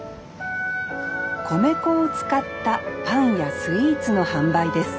米粉を使ったパンやスイーツの販売です